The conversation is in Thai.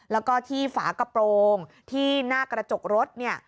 แล้วก็ที่ฝากระโปรงที่หน้ากระจกรถเนี่ย